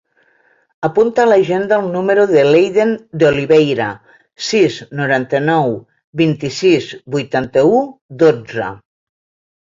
Apunta a l'agenda el número de l'Eiden De Oliveira: sis, noranta-nou, vint-i-sis, vuitanta-u, dotze.